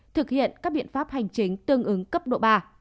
thực hiện các biện pháp hành chính tương ứng cấp độ ba